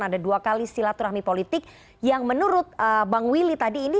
ada dua kali silaturahmi politik yang menurut bang willy tadi ini